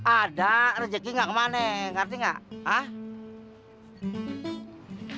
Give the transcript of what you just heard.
ada rezeki gak kemana ngerti gak